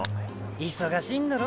忙しいんだろ。